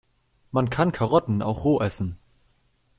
Man kann Karotten auch roh essen.